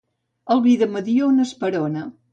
El vi de Mediona esperona.